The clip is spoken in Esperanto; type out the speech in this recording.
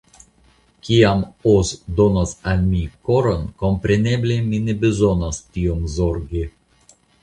Kiam Oz donos al mi koron, kompreneble mi ne bezonos tiom zorgi.